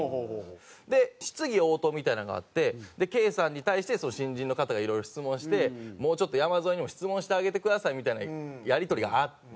で質疑応答みたいなのがあってケイさんに対して新人の方がいろいろ質問して「もうちょっと山添にも質問してあげてください」みたいなやり取りがあって。